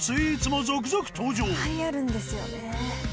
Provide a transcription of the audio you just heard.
「いっぱいあるんですよね」